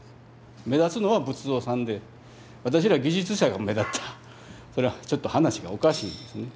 目立つのは仏像さんで私ら技術者が目立ったらそれはちょっと話がおかしいんですね。